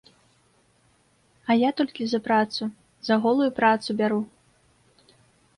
А я толькі за працу, за голую працу бяру.